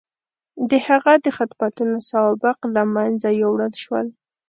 د هغه د خدمتونو سوابق له منځه یووړل شول.